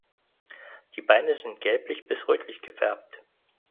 Die Beine sind gelblich bis rötlich gefärbt.